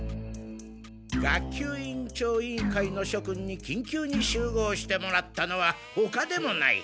学級委員長委員会のしょくんに緊急に集合してもらったのはほかでもない。